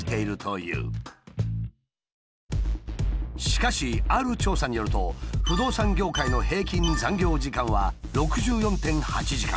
しかしある調査によると不動産業界の平均残業時間は６４．８時間。